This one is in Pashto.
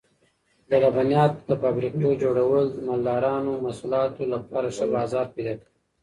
د لبنیاتو د فابریکو جوړول د مالدارانو د محصولاتو لپاره ښه بازار پیدا کوي.